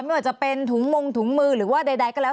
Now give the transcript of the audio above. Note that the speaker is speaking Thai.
ไม่ว่าจะเป็นถุงมงถุงมือหรือว่าใดก็แล้ว